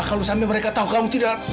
kalau sampai mereka tahu kamu tidak